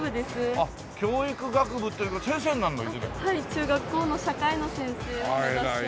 中学校の社会の先生を目指してます。